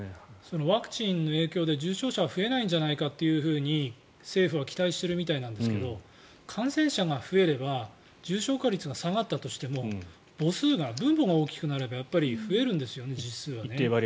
ワクチンの影響で重症者は増えないんじゃないかと政府は期待しているみたいですが感染者が増えれば重症化率が下がったとしても分母が大きくなれば、やっぱり一定割合増えますね。